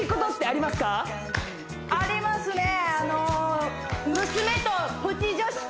ありますね